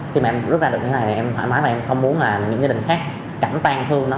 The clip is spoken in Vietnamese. khi mà em rút ra được như thế này thì em thoải mái và em không muốn là những gia đình khác cảm tan thương nó